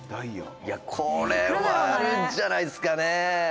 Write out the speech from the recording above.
「これはあるんじゃないですかね？」